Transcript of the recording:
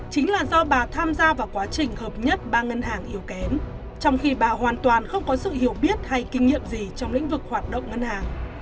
chính là do bà tham gia vào quá trình hợp nhất ba ngân hàng yếu kém trong khi bà hoàn toàn không có sự hiểu biết hay kinh nghiệm gì trong lĩnh vực hoạt động ngân hàng